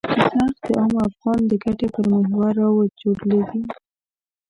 چې څرخ د عام افغان د ګټې پر محور را وچورليږي.